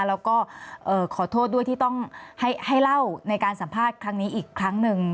แล้วก็ขอโทษด้วยที่ต้องให้เล่าในการสัมภาษณ์ครั้งนี้อีกครั้งหนึ่ง